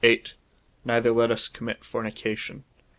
Neither let us commit fornication.